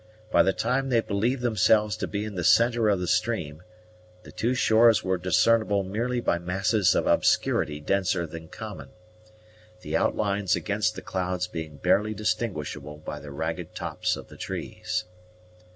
By the time they believed themselves to be in the centre of the stream, the two shores were discernible merely by masses of obscurity denser than common, the outlines against the clouds being barely distinguishable by the ragged tops of the trees.